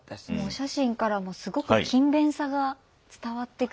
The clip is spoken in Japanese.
お写真からもすごく勤勉さが伝わってくるこうね。